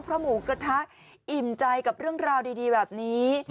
เพราะหมูกระทะอิ่มใจกับเรื่องราวดีแบบนี้